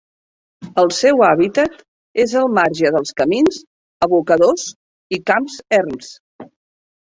El seu hàbitat és al marge dels camins, abocadors i camps erms.